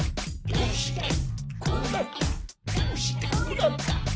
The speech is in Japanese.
どうしてこうなった？」